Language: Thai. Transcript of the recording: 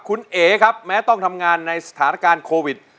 คุณเอ๋ครับแม้ต้องทำงานในสถานการณ์โควิด